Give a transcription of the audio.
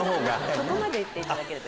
そこまで言っていただけると。